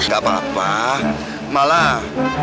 gpp pak malah